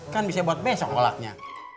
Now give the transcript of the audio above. kan bisa buat besok olaknya